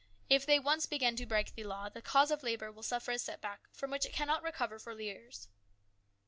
If they once begin to break the law, the cause of labour will suffer a setback from which it cannot recover for years."